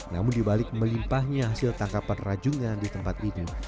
namun dibalik melimpahnya hasil tangkapan rajungan di tempat ini